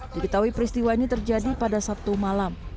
diketahui peristiwa ini terjadi pada sabtu malam